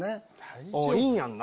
いいんやんな？